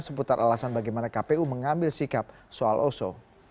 seputar alasan bagaimana kpu mengambil sikap soal oso